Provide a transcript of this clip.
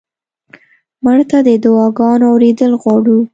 مړه ته د دعا ګانو اورېدل غواړو